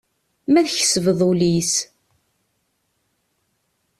Ma tkesbeḍ ul-is.